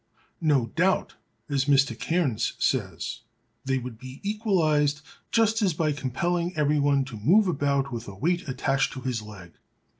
"No doubt," as Mr. Cairnes says, "they would be equalized just as by compelling every one to move about with a weight attached to his leg.